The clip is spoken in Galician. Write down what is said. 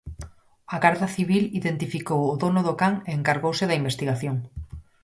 A Garda Civil identificou o dono do can e encargouse da investigación.